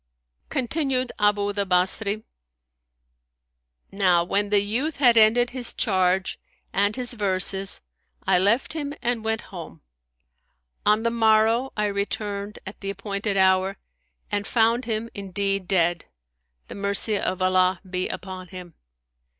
Continued Abu the Basri, "Now when the youth had ended his charge and his verses I left him and went home. On the morrow, I returned, at the appointed hour, and found him indeed dead, the mercy of Allah be upon him!